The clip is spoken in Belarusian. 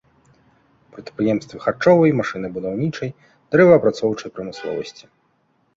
Прадпрыемствы харчовай, машынабудаўнічай, дрэваапрацоўчай прамысловасці.